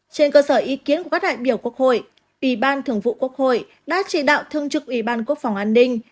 trên cơ sở ý kiến của các đại biểu quốc hội ủy ban thường vụ quốc hội đã chỉ đạo thường trực ủy ban quốc phòng an ninh